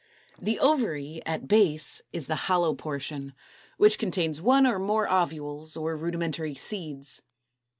The Ovary, at base, is the hollow portion, which contains one or more OVULES or rudimentary seeds.